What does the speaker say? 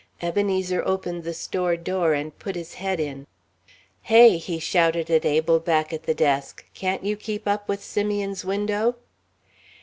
Ebenezer opened the store door and put his head in. "Hey," he shouted at Abel, back at the desk, "can't you keep up with Simeon's window?"